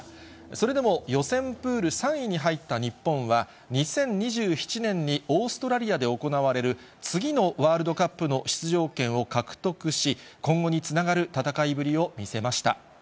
それでも予選プール３位に入った日本は、２０２７年にオーストラリアで行われる次のワールドカップの出場権を獲得し、今後につながる戦いぶりを見せました。